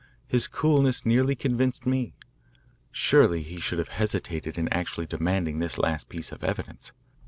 His coolness nearly convinced me. Surely he should have hesitated in actually demanding this last piece of evidence.